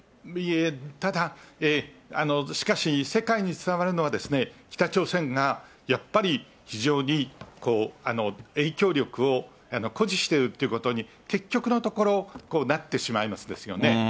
いえ、ただ、しかし、世界に伝わるのは、北朝鮮がやっぱり、非常に影響力を誇示してるということに結局のところ、なってしまいますですよね。